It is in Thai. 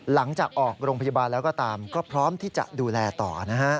หลังจากออกโรงพยาบาลแล้วก็ตามก็พร้อมที่จะดูแลต่อนะฮะ